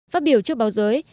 phát biểu trước báo giới